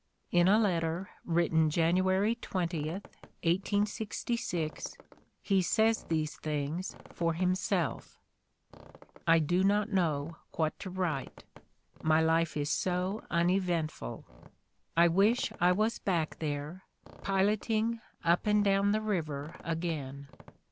In a letter written January 20, 1866, he says these things for him self: 'I do not know what to write; my life is so uneventful. I wish I was back there piloting up and down the river again.